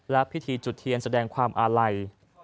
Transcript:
และพิธีจุดเทียนแสดงความอาลัย